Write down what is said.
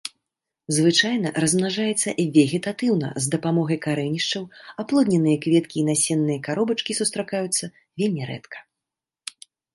Звычайна размнажаецца вегетатыўна з дапамогай карэнішчаў, аплодненыя кветкі і насенныя каробачкі сустракаюцца вельмі рэдка.